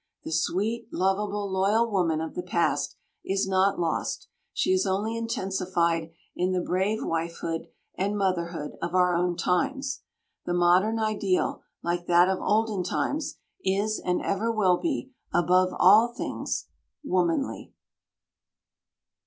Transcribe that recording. The sweet, lovable, loyal woman of the past is not lost; she is only intensified in the brave wifehood and motherhood of our own times. The modern ideal, like that of olden times, is and ever will be, above all things womanly.